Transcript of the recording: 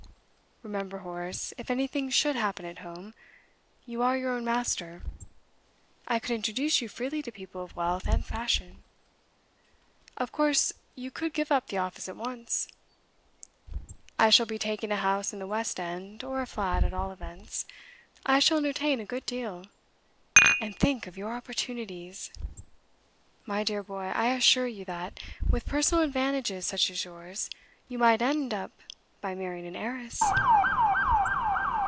'Remember, Horace, if anything should happen at home, you are your own master. I could introduce you freely to people of wealth and fashion. Of course you could give up the office at once. I shall be taking a house in the West end, or a flat, at all events. I shall entertain a good deal and think of your opportunities! My dear boy, I assure you that, with personal advantages such as yours, you might end by marrying an heiress.